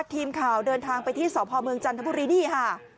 ทีมข่าวเดินทางไปที่สพเมืองจันทบุรีนี่ค่ะ